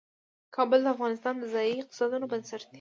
کابل د افغانستان د ځایي اقتصادونو بنسټ دی.